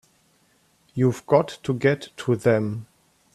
We've got to get to them!